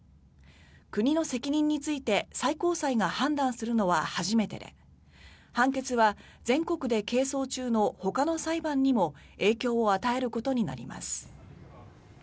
国の責任について最高裁が判断するのは初めてで判決は全国で係争中のほかの裁判にも影響を与えることになります。